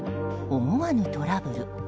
思わぬトラブル。